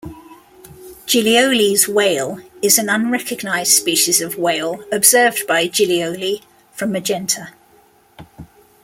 Giglioli's Whale is an unrecognized species of whale observed by Giglioli from "Magenta".